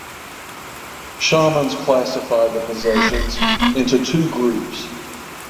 Shamans classify the possessions into two groups.